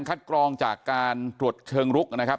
กรองจากการตรวจเชิงลุกนะครับ